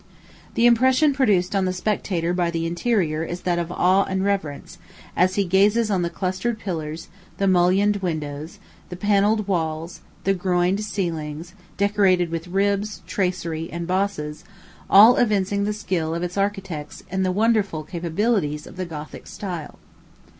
The impression produced on the spectator by the interior is that of awe and reverence, as he gazes on the clustered pillars, the mullioned windows, the panelled walls, the groined ceilings, decorated with ribs, tracery, and bosses, all evincing the skill of its architects and the wonderful capabilities of the Gothic style.